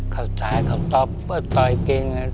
เข้าใจเขาตอบว่าต่อยกิน